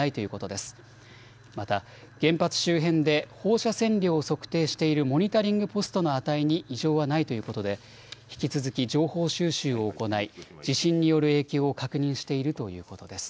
また原発周辺で放射線量を測定しているモニタリングポストの値に異常はないということで引き続き情報収集を行い地震による影響を確認しているということです。